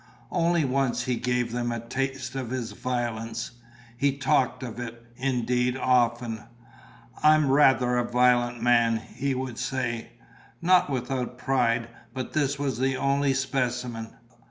Only once he gave them a taste of his violence; he talked of it, indeed, often; "I'm rather a voilent man," he would say, not without pride; but this was the only specimen.